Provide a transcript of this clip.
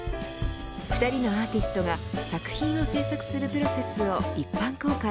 ２人のアーティストが作品を制作するプロセスを一般公開。